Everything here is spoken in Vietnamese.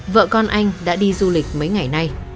vợ con anh đã đi du lịch mấy ngày nay